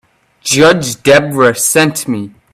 Judge Debra sent me.